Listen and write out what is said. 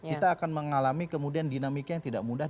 kita akan mengalami kemudian dinamika yang tidak mudah